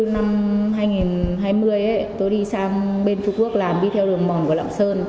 năm hai nghìn hai mươi tôi đi sang bên trung quốc làm đi theo đường mòn của lạng sơn